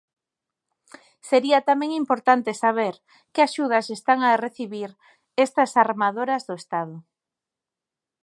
Sería tamén importante saber que axudas están a recibir estas armadoras do Estado.